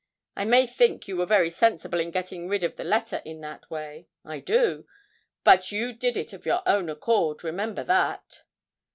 I may think you were very sensible in getting rid of the letter in that way I do but you did it of your own accord remember that.'